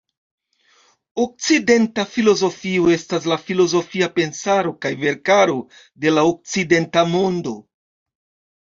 Okcidenta filozofio estas la filozofia pensaro kaj verkaro de la okcidenta mondo.